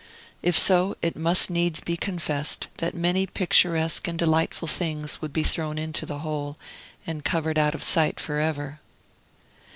If so, it must needs be confessed that many picturesque and delightful things would be thrown into the hole, and covered out of sight forever.